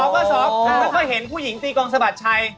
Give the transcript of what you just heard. เบอร์๒เบอร์๒เมื่อเคยเห็นผู้หญิงตีกองสะบัดชัย